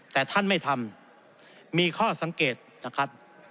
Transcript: แต่ท่านไม่ทำมีข้อสังเกตนะครับ